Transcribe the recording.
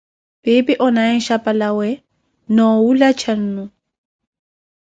Piipi onaaye nxhapa lawe noowula cannu.